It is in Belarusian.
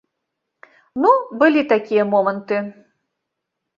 Ну, былі такія моманты.